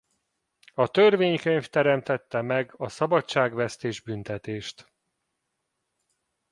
A törvénykönyv teremtette meg a szabadságvesztés-büntetést.